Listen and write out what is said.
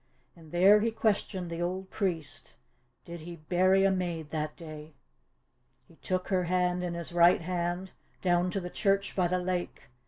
And there he questioned the old priest. Did he bury a maid that day. He took her hand in his ri^t hand, Down to the church by the lake.